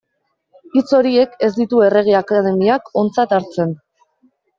Hitz horiek ez ditu Errege Akademiak ontzat hartzen.